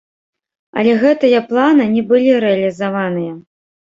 Але гэтыя планы не былі рэалізаваныя.